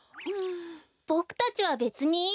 ボクたちはべつにいいですよ。